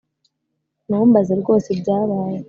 Numbaze rwose ibyabaye